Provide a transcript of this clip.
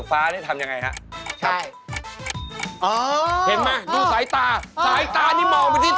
กระวิ่งใหญ่หมายเลข๑ครับ